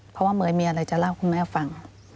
เพราะว่าเมย์มีอะไรจะเล่าคุณแม่ฟัง